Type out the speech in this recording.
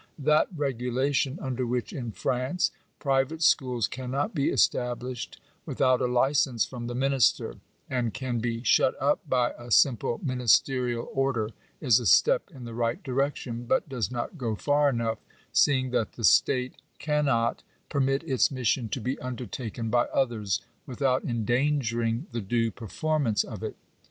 That regulation under which, in France, " private schools cannot be established without a licence from the minister, and can be shut up by a simple ministerial order," is a step in the right direction, but does not go for enough ; seeing that the state cannot permit its mission to be undertaken by others, without en* dangering the due performance of it.